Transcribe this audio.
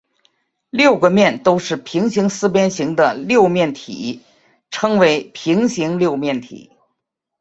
六个面都是平行四边形的六面体称为平行六面体。